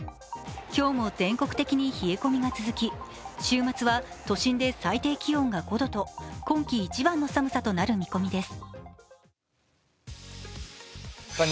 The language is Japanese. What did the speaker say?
今日も全国的に冷え込みが続き、週末は都心で最低気温が５度と今季一番の寒さとなる見込みです。